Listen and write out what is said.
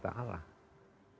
dari allah swt